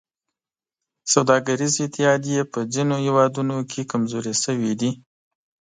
سوداګریزې اتحادیې په ځینو هېوادونو کې کمزورې شوي دي